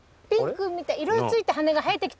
色のついた羽が生えてきたね。